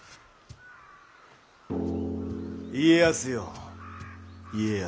家康よ家康。